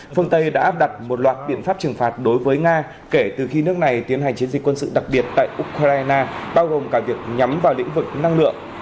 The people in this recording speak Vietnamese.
phương tây đã áp đặt một loạt biện pháp trừng phạt đối với nga kể từ khi nước này tiến hành chiến dịch quân sự đặc biệt tại ukraine bao gồm cả việc nhắm vào lĩnh vực năng lượng